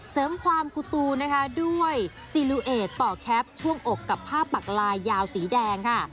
เสริมความกูตูนะคะด้วยซีลูเอดต่อแคปช่วงอกกับผ้าปักลายยาวสีแดงค่ะ